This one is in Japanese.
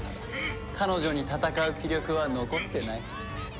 彼女に戦う気力は残ってない。